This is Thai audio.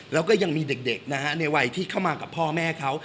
แล้วก็ยังมีเด็กนะฮะในวัยที่เข้ามากับพ่อแม่เขา